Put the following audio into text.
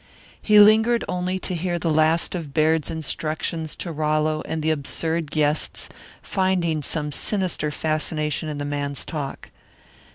He lingered only to hear the last of Baird's instructions to Rollo and the absurd guests, finding some sinister fascination in the man's talk.